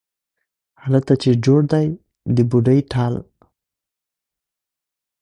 هلته چې جوړ دی د بوډۍ د ټال،